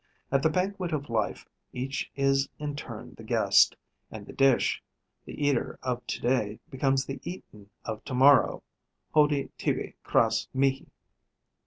At the banquet of life, each is in turn the guest and the dish; the eater of to day becomes the eaten of tomorrow; hodie tibi, cras mihi.